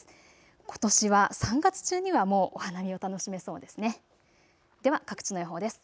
ことしは３月中にはもうお花見を楽しめそうですね。